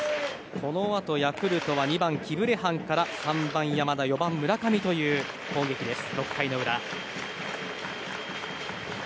このあとヤクルトは２番、キブレハンから３番、山田４番、村上という攻撃です。